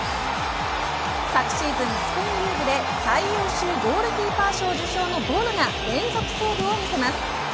昨シーズン、スペインリーグで最優秀ゴールキーパー賞受賞のボノが連続セーブを見せます。